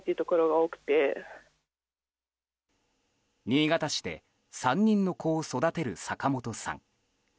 新潟市で３人の子を育てる坂本さん。